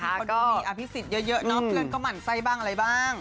เพราะดูมีอภิกษิเยอะน่ะน้อฟเดินก็หมั่นไส้บ้างอะไรบ้าง